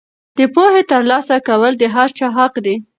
د پوهې ترلاسه کول د هر چا حق دی.